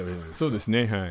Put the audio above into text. そうですねはい。